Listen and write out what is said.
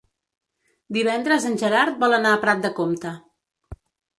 Divendres en Gerard vol anar a Prat de Comte.